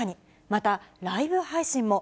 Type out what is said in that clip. また、ライブ配信も。